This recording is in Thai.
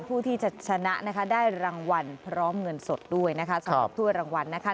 ผู้ที่จะชนะนะคะได้รางวัลพร้อมเงินสดด้วยนะคะสำหรับถ้วยรางวัลนะคะ